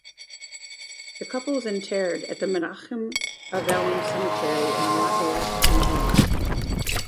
The couple is interred at the Menachim Aveilim Cemetery in Lafayette, Louisiana.